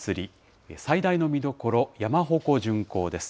最大の見どころ、山鉾巡行です。